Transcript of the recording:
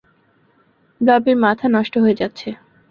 ব্লবির মাথা নষ্ট হয়ে যাচ্ছে।